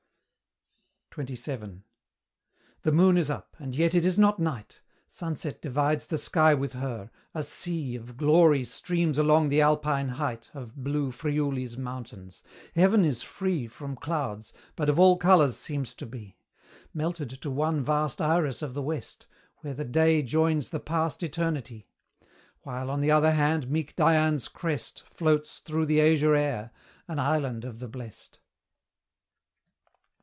XXVII. The moon is up, and yet it is not night Sunset divides the sky with her a sea Of glory streams along the Alpine height Of blue Friuli's mountains; Heaven is free From clouds, but of all colours seems to be Melted to one vast Iris of the West, Where the day joins the past eternity; While, on the other hand, meek Dian's crest Floats through the azure air an island of the blest!